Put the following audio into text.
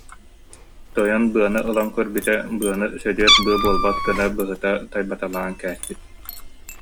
Тойон быаны ылан көрбүтэ, быаны Сөдүөт быа буолбат гына быһыта тайбаталаан кээспит